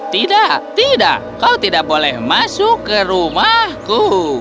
tidak tidak kau tidak boleh masuk ke rumahku